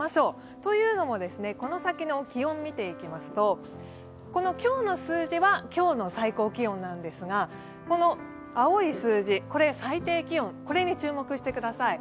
というのも、この先の気温を見ていきますと、今日の数字は今日の最高気温なんですが青い数字は最低気温、これに注目してください。